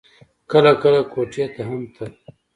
کله کله کوټې ته هم ته.